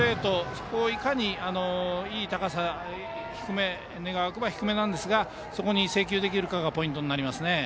そこをいかに、いい高さ願わくば低めなんですがそこに制球できるかがポイントですね。